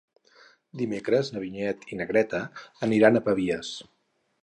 Dimecres na Vinyet i na Greta aniran a Pavies.